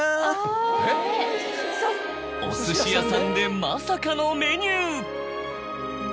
お寿司屋さんでまさかのメニュー。